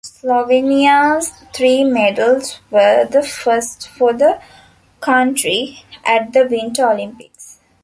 Slovenia's three medals were the first for the country at the Winter Olympics.